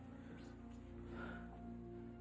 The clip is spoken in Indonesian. mas bangun mas